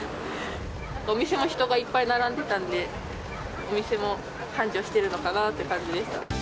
お店も人がいっぱい並んでたんで、お店も繁盛してるのかなって感じでした。